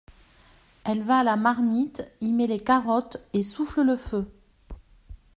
Elle va à la marmite, y met les carottes et souffle le feu.